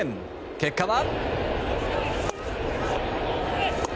結果は。